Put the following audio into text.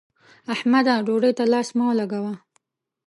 احمده! ډوډۍ ته لاس مه لګوه.